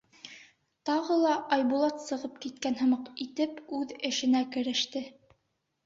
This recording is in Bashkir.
Тағы ла, Айбулат сығып киткән һымаҡ итеп, үҙ эшенә креште.